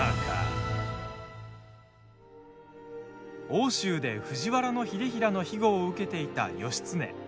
奥州で藤原秀衡のひごを受けていた、義経。